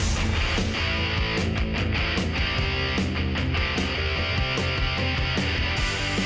ที่สนามผู้ติดอันดันบางนาตาหาน้ำราชนาวี